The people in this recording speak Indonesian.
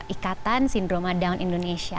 ikatan sindroma down indonesia